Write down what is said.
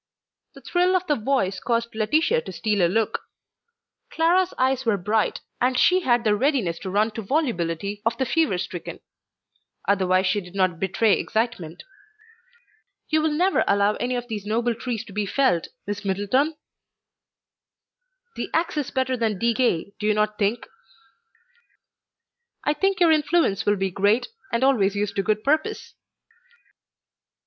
The thrill of the voice caused Laetitia to steal a look. Clara's eyes were bright, and she had the readiness to run to volubility of the fever stricken; otherwise she did not betray excitement. "You will never allow any of these noble trees to be felled, Miss Middleton?" "The axe is better than decay, do you not think?" "I think your influence will be great and always used to good purpose."